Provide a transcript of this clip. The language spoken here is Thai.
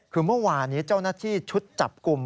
คือเมื่อวานนี้เจ้าหน้าที่ชุดจับกลุ่ม